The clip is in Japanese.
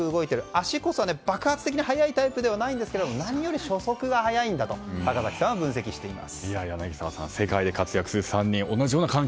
足こそ、爆発的に速いタイプではないんですが何より初速が早いんだと高崎さんは分析しています。